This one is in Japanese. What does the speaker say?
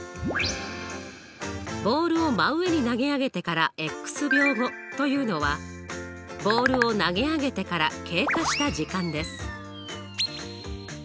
ボールを真上に投げ上げてから秒後というのはボールを投げ上げてから経過した時間です。